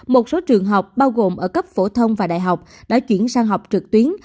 một số trường học bao gồm ở cấp phổ thông và đại học đã chuyển sang học trực tuyến